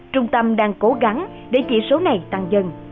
trung tâm đang cố gắng để chỉ số này tăng dần